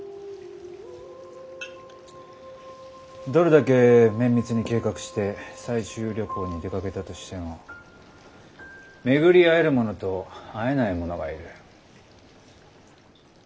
どれだけ綿密に計画して採集旅行に出かけたとしても巡り会える者と会えない者がいる。